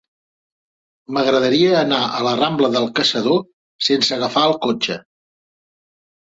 M'agradaria anar a la rambla del Caçador sense agafar el cotxe.